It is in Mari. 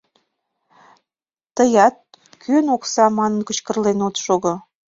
Тыят, кӧн окса манын, кычкырлен от шого.